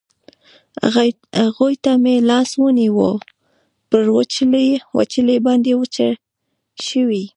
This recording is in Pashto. هغوی ته مې لاس ونیو، پر وچولې باندې وچه شوې.